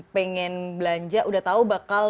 pengen belanja udah tau bakal